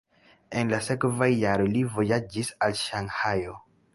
En la sekvaj jaroj ili vojaĝis al Ŝanhajo.